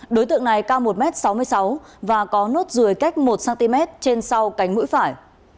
đối tượng này cao một m sáu mươi sáu và có nốt ruồi cách một cm trên sau cánh mũi phải